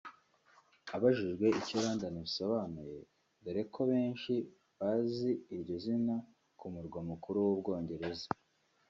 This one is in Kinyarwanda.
Abajijwe icyo ‘London’ bisobanuye dore ko benshi bazi iryo zina ku murwa mukuru w’u Bwongereza